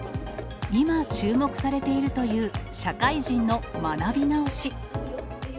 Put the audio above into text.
今注目されているという、社会人の学び直し。